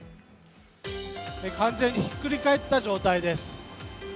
完全にひっくり返った状態です。